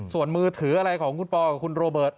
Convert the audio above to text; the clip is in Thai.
ส่วนมือถืออะไรของคุณปอลกับคุณโรเบิร์ต